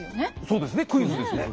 そうですねクイズですね。